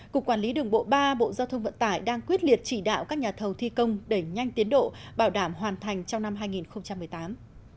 cục quản lý đường bộ ba bộ giao thông vận tải đang quyết liệt chỉ đạo các nhà thầu thi công đẩy nhanh tiến độ bảo đảm hoàn thành trong năm hai nghìn một mươi tám